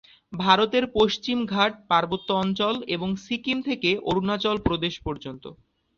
ভারত এর পশ্চিম ঘাট পার্বত্য অঞ্চল এবং সিকিম থেকে অরুনাচল প্রদেশ পর্যন্ত।